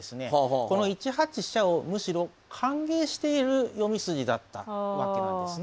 この１八飛車をむしろ歓迎している読み筋だったわけなんですね。